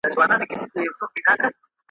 هغه ډېري مڼې چي موږ راوړي، خوږې دي.